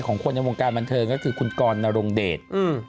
ของคนในวงการบันเทิงก็คือคุณกรนรงเดช